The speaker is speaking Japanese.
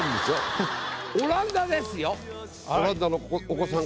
オランダですよ。